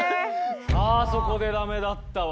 ああそこで駄目だったわ。